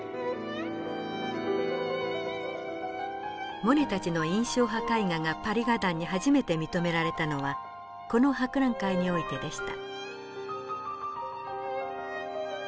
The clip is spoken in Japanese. モネたちの印象派絵画がパリ画壇に初めて認められたのはこの博覧会においてでした。